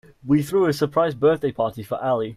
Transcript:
We threw a surprise birthday party for Ali.